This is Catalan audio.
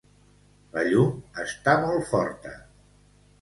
La llum està molt forta.